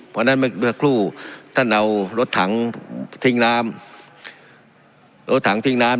เพราะฉะนั้นเมื่อครู่ท่านเอารถถังทิ้งน้ำรถถังทิ้งน้ำ